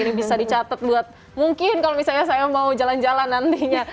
ini bisa dicatat buat mungkin kalau misalnya saya mau jalan jalan nantinya